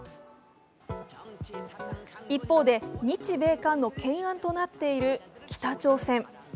一方で、日米韓の懸案となっている北朝鮮。